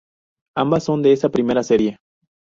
Ambas son de esa primera serie.